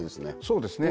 そうですね